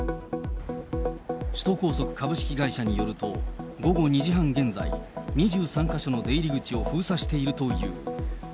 首都高速株式会社によると、午後２時半現在、２３か所の出入り口を封鎖しているという。